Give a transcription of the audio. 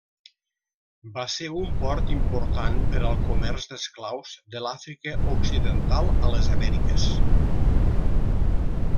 Va ser un port important per al comerç d'esclaus de l'Àfrica Occidental a les Amèriques.